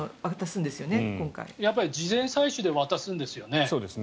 やっぱり事前採取で渡すんですよね。